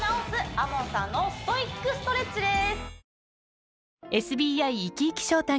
ＡＭＯＮさんのストイックストレッチです